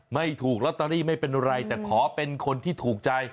ไม่ถูกลอตเตอรี่ไม่เป็นไรแต่ขอเป็นคนที่ถูกใจ